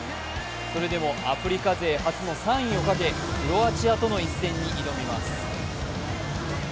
それでもアフリカ勢初の３位をかけクロアチアとの一戦に挑みます。